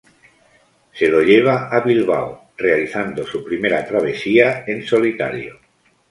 Se lo lleva a Bilbao, realizando su primera travesía en solitario.